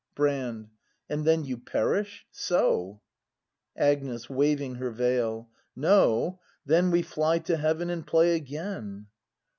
Brand. And then you perish? So! Agnes. [Waving her veil.] No; then We fly to heaven and play again